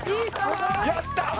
やった！